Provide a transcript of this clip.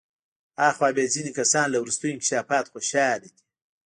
آخوا بیا ځینې کسان له وروستیو انکشافاتو خوشحاله دي.